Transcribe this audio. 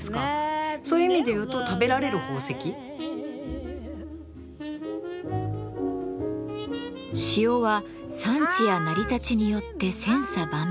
そういう意味で言うと塩は産地や成り立ちによって千差万別。